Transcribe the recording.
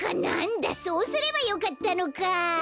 なんだそうすればよかったのか。